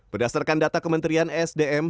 berdasarkan data kementerian sdm